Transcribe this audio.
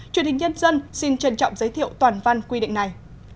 truyền hình nhân dân xin trân trọng giới thiệu toàn văn quy định này